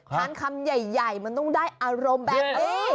ทานคำใหญ่มันต้องได้อารมณ์แบบ